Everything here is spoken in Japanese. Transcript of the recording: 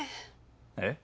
えっ？